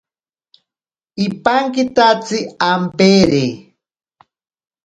Ipankitatsi ampeere.